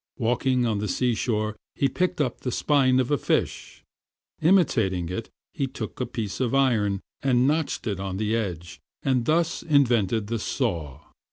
Walking on the seashore he picked up the spine of a fish. Imitating it, he took a piece of iron and notched it on the edge, and thus invented the SAW.